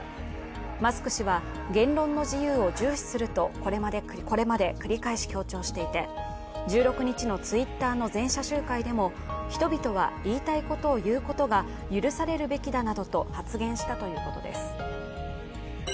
マスク氏は言論の自由を重視するとこれまで繰り返し強調していて１６日のＴｗｉｔｔｅｒの全社集会でも人々は言いたいことを言うことが許されるべきだなどと発言したということです。